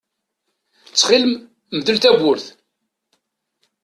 Ttxil-m, mdel tawwurt!